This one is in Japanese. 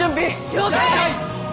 了解！